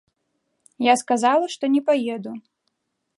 Я сказала, што не паеду.